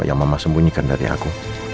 yang mama sembunyikan dari aku